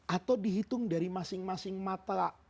atau dihitung dari masing masing mata